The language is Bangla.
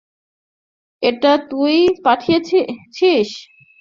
এটা তুই পাঠিয়েছিস।